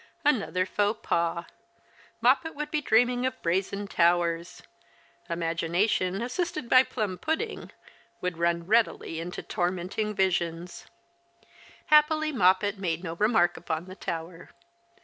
Another faux pas. Moppet would be dreaming of brazen towers. Imagination, assisted by plum pudding, would run readily into tormenting visions. The Christmas Hirelings. 149 Happily Moppet made no remark upon the tower.